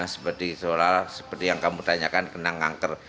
seperti yang kamu tanyakan kena kanker